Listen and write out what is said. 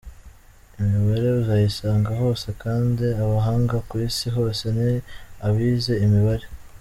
Imibare uzayisanga hose kandi abahanga ku isi hose ni abize imibare.